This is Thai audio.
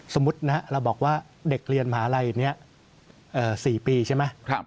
สมมุตินะเราบอกว่าเด็กเรียนมหาลัยนี้๔ปีใช่ไหม